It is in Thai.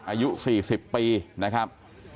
อายุ๔๐ปีนะครับ